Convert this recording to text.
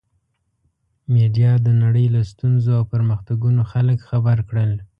میډیا د نړۍ له ستونزو او پرمختګونو خلک خبر کړل.